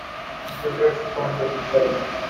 It developed from the Picture It!